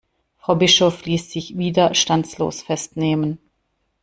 Frau Bischof ließ sich widerstandslos festnehmen.